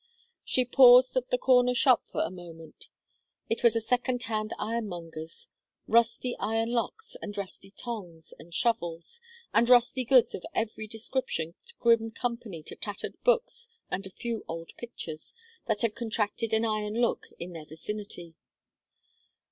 She paused at the corner shop for a moment. It was a second hand ironmonger's; rusty iron locks, and rusty tongs and shovels, and rusty goods of every description kept grim company to tattered books and a few old pictures, that had contracted an iron look in their vicinity.